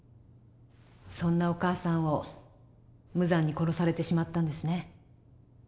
そんなお母さんを無残に殺されてしまったんですね。